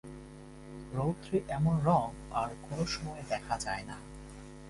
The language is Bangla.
রৌদ্রের এমন রঙ আর কোনো সময়ে দেখা যায় না।